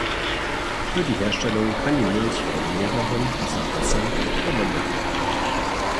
Für die Herstellung kann die Milch von mehreren dieser Rassen verwendet werden.